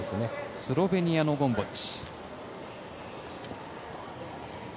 スロベニアのゴムボッチ。